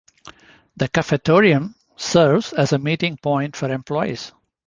The "Cafetorium" serves as a meeting point for employees.